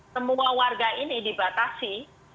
semua warga ini dibatasi